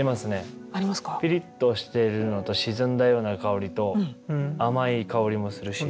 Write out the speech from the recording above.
ピリッとしてるのと沈んだような香りと甘い香りもするし。